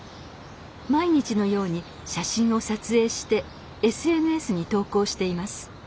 毎日のように写真を撮影してＳＮＳに投稿しています。